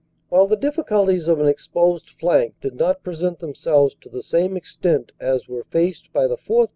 While the difficulties of an exposed flank did not present themselves to the same extent as were faced by the 4th.